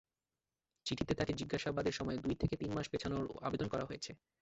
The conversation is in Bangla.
চিঠিতে তাঁকে জিজ্ঞাসাবাদের সময় দুই থেকে তিন মাস পেছানোর আবেদন করা হয়েছে।